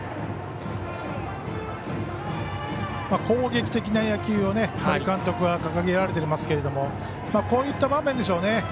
攻撃的な野球を森監督は掲げられておりますけどもこういった場面でしょうね。